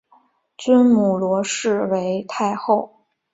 尊母罗氏为太后。